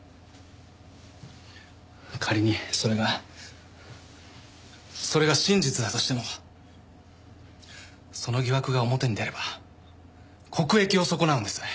仮にそれがそれが真実だとしてもその疑惑が表に出れば国益を損なうんです。